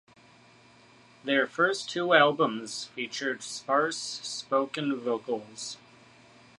Their first two albums featured sparse, spoken vocals.